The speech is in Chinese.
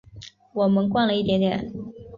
我们逛了一点点